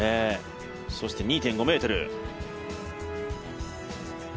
そして２．５ｍ。